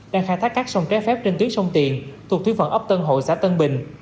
đang khai thác các sông trái phép trên tuyến sông tiền thuộc tuyến phận ấp tân hội xã tân bình